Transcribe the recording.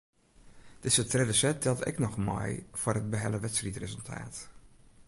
Dizze tredde set teld ek noch mei foar it behelle wedstriidresultaat.